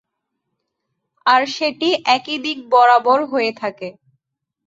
আর সেটি একই দিক বরাবর হয়ে থাকে।